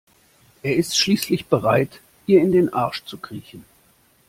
Er ist schließlich bereit ihr in den Arsch zu kriechen.